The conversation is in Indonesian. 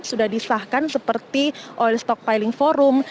sudah disahkan seperti oil stockpiling forum